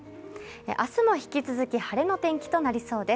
明日も引き続き、晴れの天気となりそうです。